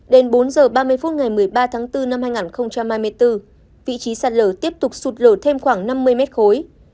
đến bốn h ba mươi phút ngày một mươi ba tháng bốn năm hai nghìn hai mươi bốn vị trí sạt lở tiếp tục sụt lở thêm khoảng năm mươi mét khối